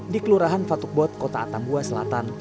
di kelurahan fatukbot kota atambua selatan